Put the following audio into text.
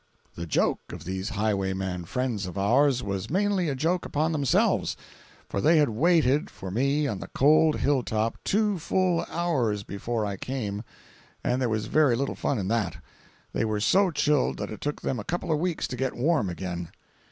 The joke of these highwayman friends of ours was mainly a joke upon themselves; for they had waited for me on the cold hill top two full hours before I came, and there was very little fun in that; they were so chilled that it took them a couple of weeks to get warm again.